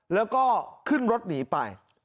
แล้วก็ขึ้นรถหนีไป